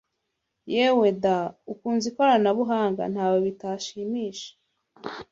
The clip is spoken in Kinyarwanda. Yewe da! Ukunze ikoranabuhanga nta we bitashimisha